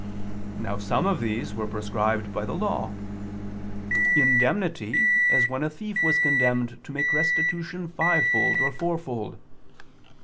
Now some of these were prescribed by the Law. "Indemnity," as when a thief was condemned to make restitution fivefold or fourfold.